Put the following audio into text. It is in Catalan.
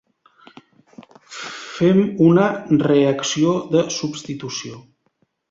Fem una reacció de substitució.